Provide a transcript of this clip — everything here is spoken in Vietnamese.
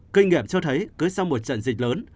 kinh nghiệm cho thấy cứ sau một trận dịch lớn